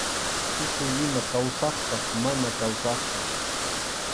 Tukuy ima kawsaqpas mana kawsaqpas.